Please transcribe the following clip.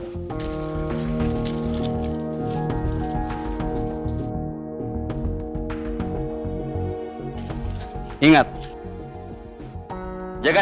sudahlah pak saya nggak peduli soal itu